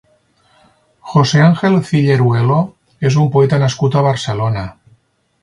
José Ángel Cilleruelo és un poeta nascut a Barcelona.